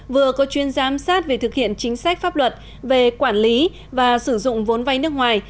vừa có chuyên giám sát về thực hiện chính sách pháp luật về quản lý và sử dụng vốn vay nước ngoài